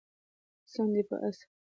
قسم دی په عصر.